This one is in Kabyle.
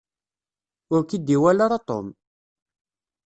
Ur k-id-iwala ara Tom.